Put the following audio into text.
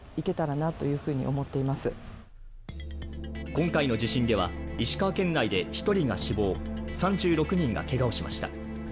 今回の地震では石川県内で１人が死亡、３６人がけがをしました。